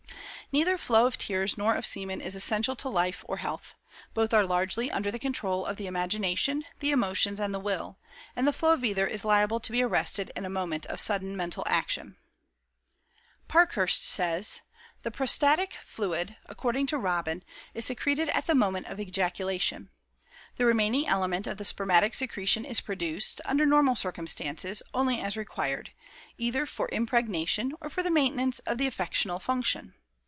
Neither flow of tears nor of semen is essential to life or health. Both are largely under the control of the imagination, the emotions, and the will; and the flow of either is liable to be arrested in a moment of sudden mental action." Parkhurst says: "The prostatic fluid, according to Robin, is secreted at the moment of ejaculation. The remaining element of the spermatic secretion is produced, under normal circumstances, only as required, either for impregnation or for the maintenance of the affectional function.